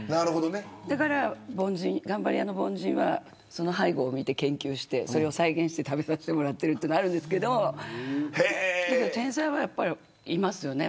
だから頑張り屋の凡人はその背後を見て研究してそれを再現して食べさせてもらっているのはあるんですけどでも天才はいますよね。